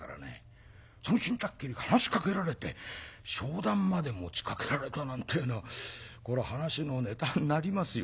その巾着切りから話しかけられて商談まで持ちかけられたなんてえのはこれは話のネタになりますよ